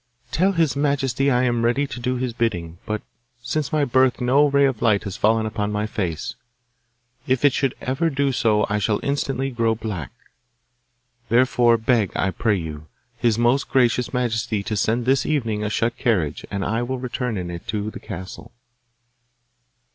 'Tell his majesty I am ready to do his bidding, but since my birth no ray of light has fallen upon my face. If it should ever do so I shall instantly grow black. Therefore beg, I pray you, his most gracious majesty to send this evening a shut carriage, and I will return in it to the castle.